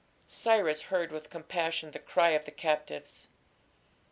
Cyrus heard with compassion the cry of the captives.